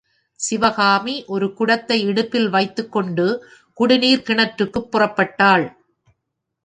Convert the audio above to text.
சிவகாமி ஒரு குடத்தை இடுப்பில் வைத்துக்கொண்டு குடிநீர்க் கிணற்றுக்குப் புறப்பட்டாள்.